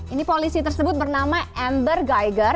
ini polisi tersebut bernama amber geiger